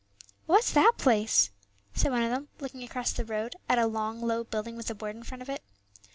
"What's that place?" said one of them, looking across the road at a long, low building with a board in front of it.